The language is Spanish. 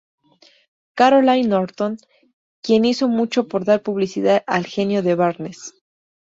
Caroline Norton, quien hizo mucho por dar publicidad al genio de Barnes.